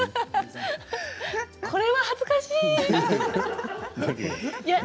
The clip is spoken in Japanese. これは恥ずかしい。